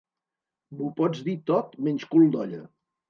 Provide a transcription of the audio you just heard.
M'ho pots dir tot menys cul d'olla.